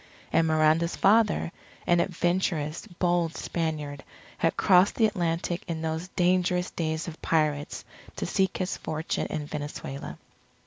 And Miranda's father, an adventurous, bold Spaniard, had crossed the Atlantic in those dangerous days of pirates to seek his fortune in Venezuela.